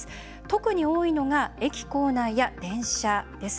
特に多いのが、駅構内や電車です。